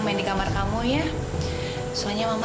aduh kemana ya si lara